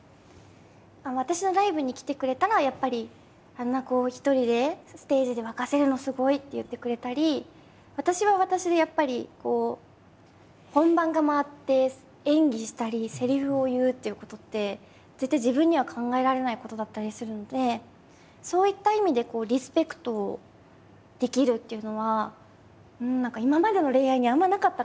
私のライブに来てくれたらやっぱり「あんな一人でステージで沸かせるのすごい」って言ってくれたり私は私でやっぱりこう本番が回って演技したりせりふを言うっていうことって絶対自分には考えられないことだったりするんでそういった意味でリスペクトできるっていうのは今までの恋愛にあんまなかったかもしれないですね。